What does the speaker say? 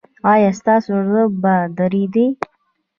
ایا ستاسو زړه به دریدي؟